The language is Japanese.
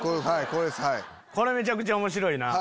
これめちゃくちゃ面白いな。